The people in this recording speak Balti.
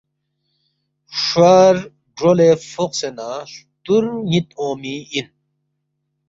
شوار گرولے فوقسے نہ ہلتور نیند اونگمی اِن